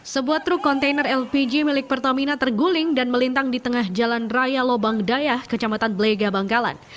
sebuah truk kontainer lpg milik pertamina terguling dan melintang di tengah jalan raya lobang dayah kecamatan blega bangkalan